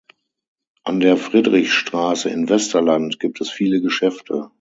An der Friedrichstraße in Westerland gibt es viele Geschäfte.